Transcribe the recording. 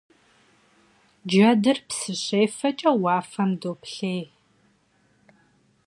Cedır psı şêfeç'e vuafem doplhêy.